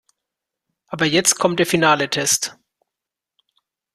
Aber jetzt kommt der finale Test.